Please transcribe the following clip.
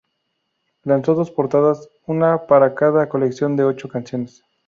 Lanzó dos portadas, una para cada colección de ocho canciones.